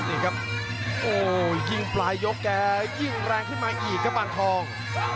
นี่ครับโอ้ยิ่งปลายยกแกยิ่งแรงขึ้นมาอีกครับปานทอง